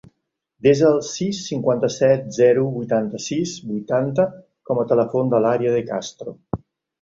Desa el sis, cinquanta-set, zero, vuitanta-sis, vuitanta com a telèfon de l'Aria De Castro.